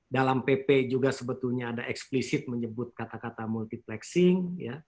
dalam pp juga sebetulnya ada eksplisit menyebut kata kata multiplexing